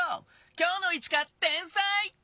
今日のイチカ天才！